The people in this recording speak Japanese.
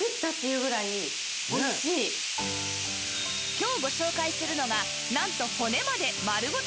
今日ご紹介するのがなんと骨まで丸ごと食べられちゃう